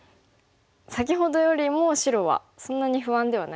先ほどよりも白はそんなに不安ではないですよね。